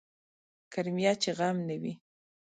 کرميه چې غم نه وي.